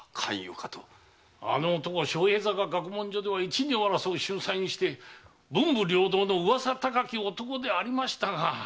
あの男昌平坂学問所では一二を争う秀才にして文武両道の噂高き男でしたが。